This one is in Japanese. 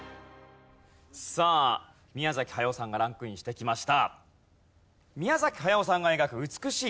さあ宮崎駿さんがランクインしてきました。